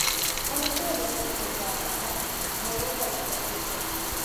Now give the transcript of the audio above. Con este valiente esfuerzo, Al-Assad muere en la explosión.